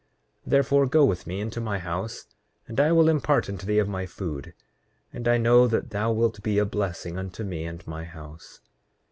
Therefore, go with me into my house and I will impart unto thee of my food; and I know that thou wilt be a blessing unto me and my house.